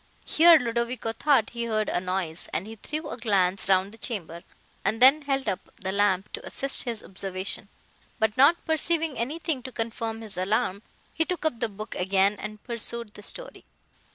[Here Ludovico thought he heard a noise, and he threw a glance round the chamber, and then held up the lamp to assist his observation; but, not perceiving anything to confirm his alarm, he took up the book again and pursued the story.